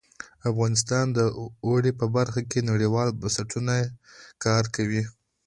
افغانستان د اوړي په برخه کې نړیوالو بنسټونو سره کار کوي.